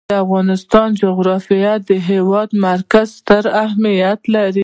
د افغانستان جغرافیه کې د هېواد مرکز ستر اهمیت لري.